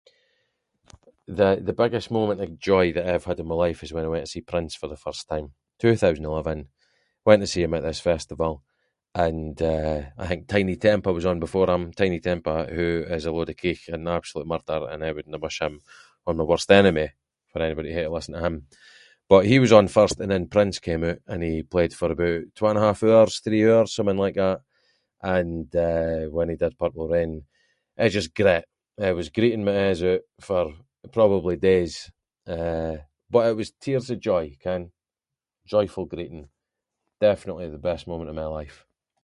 The- the biggest moment of joy that I’ve had in my life is when I went to see Prince for the first time, two-thousand-and-eleven, went to see him at this festival and eh, I think Tinie Tempah was on before him, Tinie Tempah, who is a load of keech and absolute murder and I wouldnae wish him on my worst enemy, for anybody to hae to listen to him, but he was on first and then Prince came oot and he played for aboot twa and a half hours, three hours, something like that, and eh, when he did Purple Rain, I just gret, I was greeting my eyes oot for probably days, eh, but it was tears of joy, ken, joyful greeting, definitely the best moment of my life.